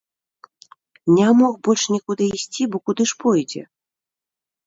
Не мог больш нікуды ісці, бо куды ж пойдзе?